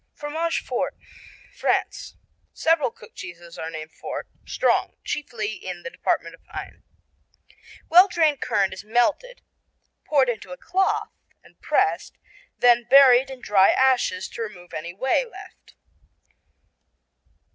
Fromage Fort France Several cooked cheeses are named Fort (strong) chiefly in the department of Aisne. Well drained curd is melted, poured into a cloth and pressed, then buried in dry ashes to remove any whey left.